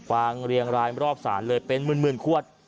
วางเรียงรายรอบศาลเลยเป็นหมื่นขวด